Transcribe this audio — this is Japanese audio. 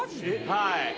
はい。